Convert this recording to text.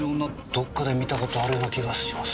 どっかで見た事あるような気がします。